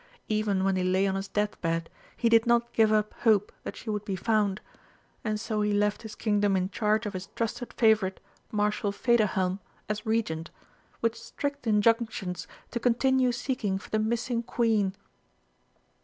Even when he lay on his death bed he did not give up hope that she would be found, and so he left his Kingdom in charge of his trusted favourite Marshal Federhelm as Regent, with strict injunctions to continue seeking for the missing Queen."